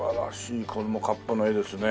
これも河童の絵ですね。